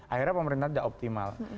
akhirnya pemerintah tidak optimal